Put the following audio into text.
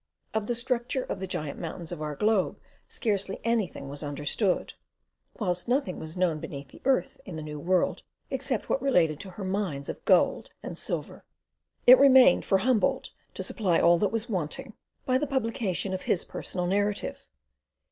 Of the structure of the giant mountains of our globe scarcely anything was understood; whilst nothing was known beneath the earth in the New World, except what related to her mines of gold and silver. It remained for Humboldt to supply all that was wanting, by the publication of his Personal Narrative.